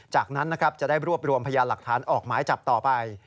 จากนั้นนะครับจะได้รวบรวมพยานหลักฐานออกหมายจับต่อไป